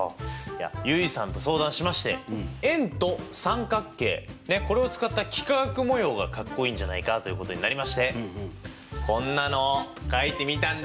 結衣さんと相談しまして円と三角形これを使った幾何学模様がかっこいいんじゃないかということになりましてこんなのを描いてみたんですよ。